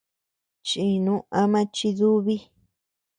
Chínu ama chidúbi.